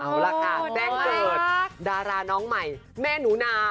เอาล่ะค่ะแจ้งเกิดดาราน้องใหม่แม่หนูนา